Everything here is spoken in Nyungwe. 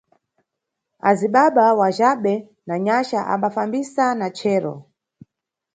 Azibaba wa Jabhe na Nyaxa ambafambisa na chero.